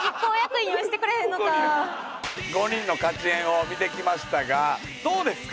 ５人のカチヘンを見てきましたがどうですか？